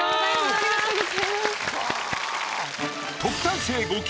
ありがとうございます。